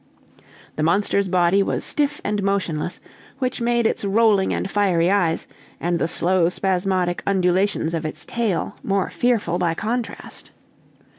The monster's body was stiff and motionless, which made its rolling and fiery eyes and the slow, spasmodic undulations of it tail more fearful by contrast.